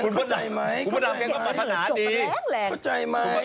เข้าใจมั้ยเข้าปรรถนาดีครับเข้าใจมั้ยใจมั้ยเดี๋ยวมันเหจยกแรก